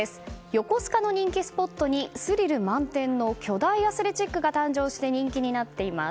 横須賀の人気スポットにスリル満点の巨大アスレチックが誕生して人気になっています。